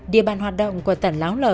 địa bàn hoạt động của tẩn lão l